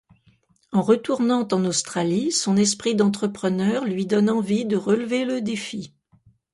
En retournant en Australie, son esprit d'entrepreneur lui donne envie de relever le défi.